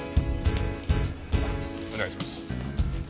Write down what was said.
お願いします。